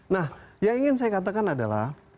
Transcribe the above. nah yang ingin saya katakan adalah